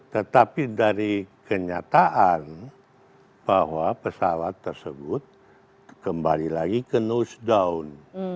tetapi dari kenyataan bahwa pesawat tersebut kembali lagi ke nose down